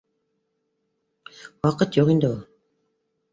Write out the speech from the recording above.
Ваҡыт юҡ инде ул